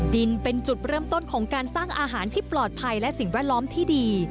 ดินเป็นจุดเริ่มต้นของการสร้างอาหารที่ปลอดภัยและสิ่งแวดล้อมที่ดี